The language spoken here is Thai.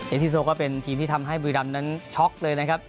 เอฟซีโซก็เป็นทีมที่ทำให้วีดำนั้นช็อคเลยนะครับ